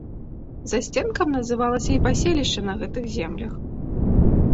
Засценкам называлася і паселішча на гэтых землях.